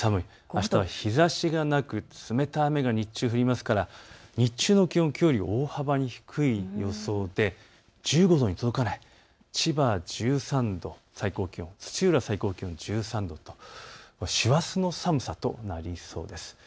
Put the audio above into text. あしたは日ざしがなく冷たい雨が日中、降りますから日中の気温はきょうより大幅に低い予想で１５度に届かない、千葉１３度、最高気温、土浦最高気温１３度と師走の寒さとなりそうです。